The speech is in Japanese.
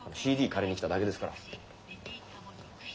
ＣＤ借りに来ただけです。